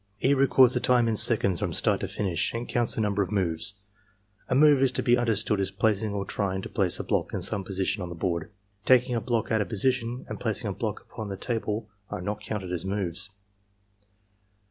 '' E. records the time in seconds from start to finish, and counts the nmnber of moves. A move is to be understood as placing or trying to place a block in some position on the board. Taking a block out of position, and placing a block upon the table are not coimted as moves.